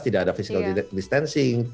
tidak ada physical distancing